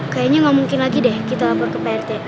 kayanya gak mungkin lagi deh kita lapor ke pak rt